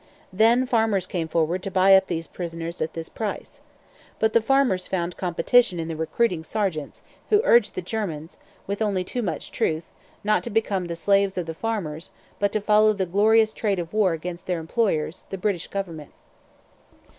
Then farmers came forward to buy up these prisoners at this price. But the farmers found competitors in the recruiting sergeants, who urged the Germans, with only too much truth, not to become 'the slaves of farmers' but to follow 'the glorious trade of war' against their employers, the British government.